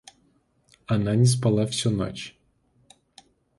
Она не спала всю ночь.